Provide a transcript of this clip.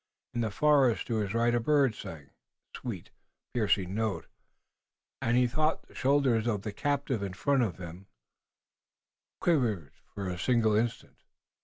In the forest to his right a bird sang, a sweet, piercing note, and he thought the shoulders of the captive in front of him quivered for a single instant.